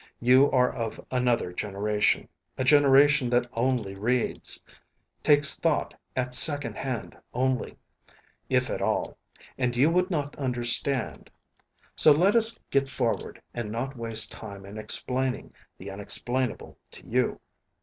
You are of another generation, a generation that only reads, takes thought at second hand only, if at all, and you would not understand; so let us get forward and not waste time in explaining the unexplainable to you.